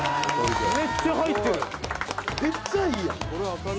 「めっちゃいいやん！」